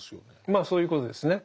まあそういうことですね。